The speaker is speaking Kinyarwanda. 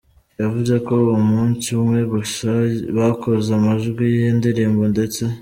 Yavuze ko umunsi umwe gusa bakoze amajwi y’iyi ndirimbo ndetse